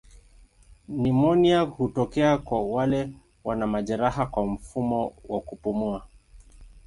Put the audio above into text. Nimonia hutokea kwa wale wana majeraha kwa mfumo wa kupumua.